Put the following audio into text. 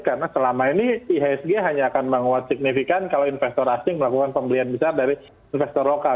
karena selama ini ihsg hanya akan menguat signifikan kalau investor asing melakukan pembelian besar dari investor lokal